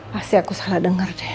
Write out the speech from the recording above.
pasti aku salah dengar saya